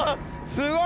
すごいね！